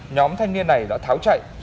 nhóm thanh niên này đã tháo chạy